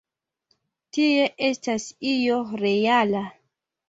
Tie estas io reala.